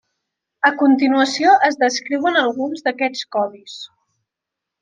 A continuació es descriuen alguns d'aquests codis.